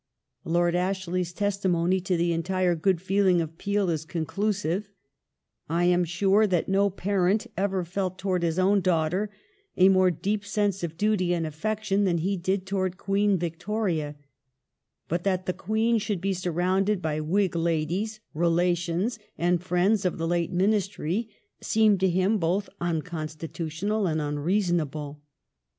Lord Ashley's testimony to the entire good feeling of Peel is conclusive : "I am sure that no parent ever felt towards his own daughter a more deep sense of duty and affection than he did towards Queen Victoria," but that the Queen should be sur rounded by Whig Ladies, relations and friends of the late Ministry seemed to him both unconstitutional and unreasonable.